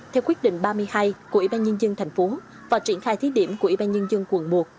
theo quyết định ba mươi hai của ủy ban nhân dân thành phố và triển khai thí điểm của ủy ban nhân dân quận một